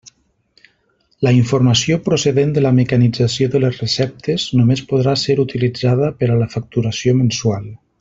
La informació procedent de la mecanització de les receptes només podrà ser utilitzada per a la facturació mensual.